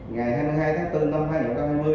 ngày hai mươi hai tháng bốn năm hai nghìn hai mươi